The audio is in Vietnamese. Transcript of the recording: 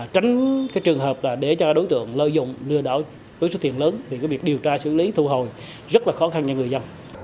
tránh cái trường hợp là để cho đối tượng lợi dụng lừa đảo với số tiền lớn thì cái việc điều tra xử lý thu hồi rất là khó khăn cho người dân